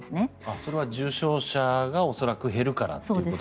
それは重症者が恐らく減るからということですね。